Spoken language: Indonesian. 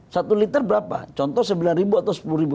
satu liter berapa contoh sembilan ribu atau sepuluh ribu